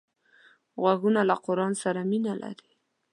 غوږونه له قرآن سره مینه لري